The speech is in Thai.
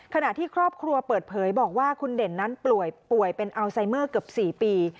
ขณะที่ครอบครัวเปิดเผยบอกว่าคุณเด่นนั้นป่วยเป็นอัลไซเมอร์เกือบ๔ปี